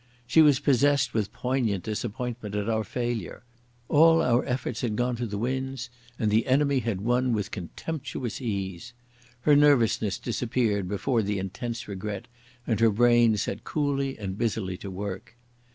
She was possessed with poignant disappointment at our failure. All our efforts had gone to the winds, and the enemy had won with contemptuous ease. Her nervousness disappeared before the intense regret, and her brain set coolly and busily to work.